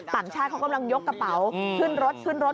ต่างชาติเขากำลังยกกระเป๋าขึ้นรถขึ้นรถ